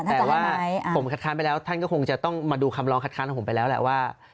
แต่ว่าผมคัดค้านไปแล้วท่านก็คงจะต้องมาดูคำลองคัดค้านของผมไปแล้วแหละว่า